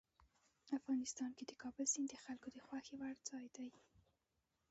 افغانستان کې د کابل سیند د خلکو د خوښې وړ ځای دی.